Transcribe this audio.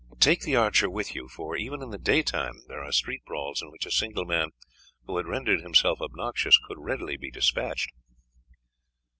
Take the archer with you, for even in the daytime there are street brawls in which a single man who had rendered himself obnoxious could readily be despatched."